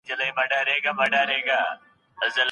زعفران د افغانستان د راتلونکي هیله ده.